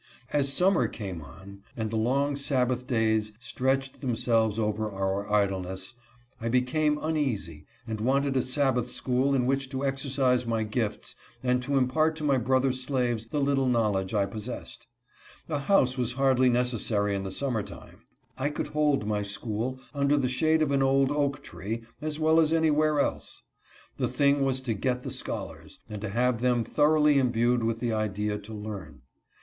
As summer came on and the long Sabbath days stretched themselves over our idleness, I became uneasy and wanted a Sabbath school in which to exercise my gifts and to impart to my brother slaves the little knowledge I possessed. A house was hardly necessary in the summer time ; I could hold my school under the shade of an old oak tree as well as any where else. The thing was to get the scholars, and to have them thoroughly imbued with the idea to learn.